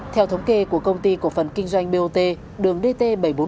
theo thống kê của công ty của phần kinh doanh bot đường dt bảy trăm bốn mươi một